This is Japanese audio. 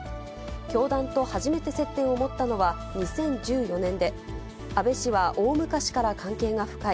教団と初めて接点を持ったのは２０１４年で、安倍氏は大昔から関係が深い。